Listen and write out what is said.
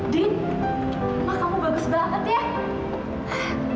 din wah kamu bagus banget ya